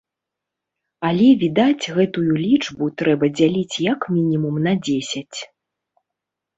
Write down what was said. Але, відаць, гэтую лічбу трэба дзяліць як мінімум на дзесяць.